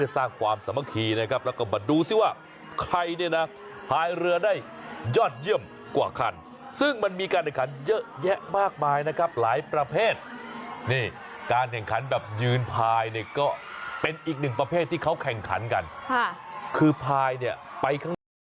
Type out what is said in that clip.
สร้างความสามัคคีนะครับแล้วก็มาดูซิว่าใครเนี่ยนะพายเรือได้ยอดเยี่ยมกว่าคันซึ่งมันมีการแข่งขันเยอะแยะมากมายนะครับหลายประเภทนี่การแข่งขันแบบยืนพายเนี่ยก็เป็นอีกหนึ่งประเภทที่เขาแข่งขันกันค่ะคือพายเนี่ยไปข้างหน้า